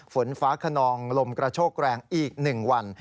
ฝนฟ้าขนองลมกระโชกแรงอีก๑วัน